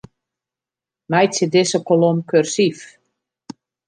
Meitsje dizze kolom kursyf.